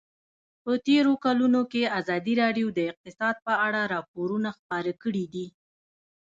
په تېرو کلونو کې ازادي راډیو د اقتصاد په اړه راپورونه خپاره کړي دي.